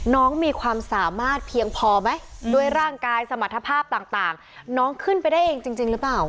น้องมีความสามารถเพียงพอไหมด้วยร่างกายสมรรถภาพต่างน้องขึ้นไปได้เองจริงหรือเปล่า